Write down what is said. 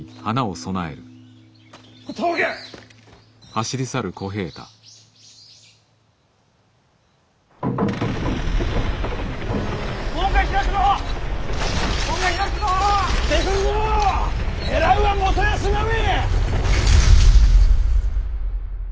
狙うは元康のみ！